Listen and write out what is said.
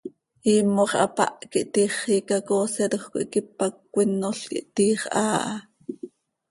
Iimox hapáh quih, tiix xiica coosyatoj coi quipac cöquinol quih, tiix haa ha.